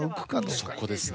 そこですね。